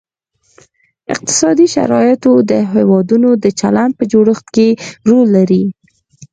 اقتصادي شرایط د هیوادونو د چلند په جوړښت کې رول لري